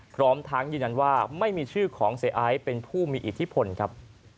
พร้อมทั้งยืนยันว่าไม่มีชื่อของเสียไอซ์เป็นผู้มีอิทธิพลครับ